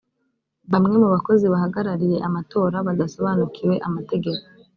bamwe mu bakozi bahagarariye amatora badasobanukiwe amategeko